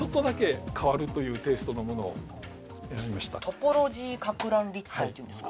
トポロジー攪乱立体っていうんですか？